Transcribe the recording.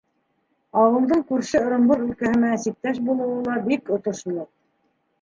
Ауылдың күрше Ырымбур өлкәһе менән сиктәш булыуы ла бик отошло.